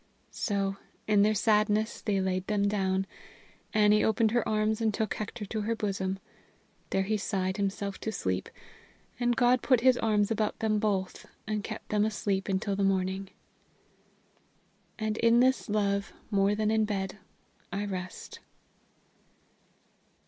So in their sadness they laid them down. Annie opened her arms and took Hector to her bosom. There he sighed himself to sleep; and God put His arms about them both, and kept them asleep until the morning. And in this love, more than in bed, I rest.